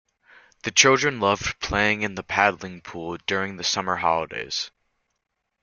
The children loved playing in the paddling pool during the summer holidays